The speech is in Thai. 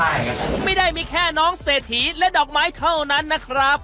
ใช่ไม่ได้มีแค่น้องเศรษฐีและดอกไม้เท่านั้นนะครับ